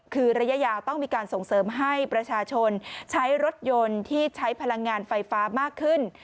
คือระยะยาวต้องมีการส่งเสริมให้ประชาชนใช้รถยนต์ที่ใช้พลังงานไฟฟ้ามากขึ้น